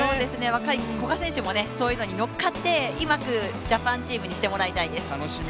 若い古賀選手もそういうのに乗っかって、うまくジャパンチームにしてもらいたいです。